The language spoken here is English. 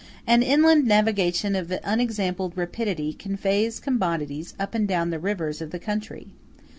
An inland navigation of unexampled rapidity conveys commodities up and down the rivers of the country.